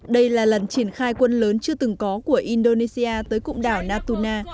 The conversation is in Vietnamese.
đây là lần triển khai quân lớn chưa từng có của indonesia tới cụm đảo natuna